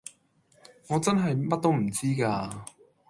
我真係乜都唔知㗎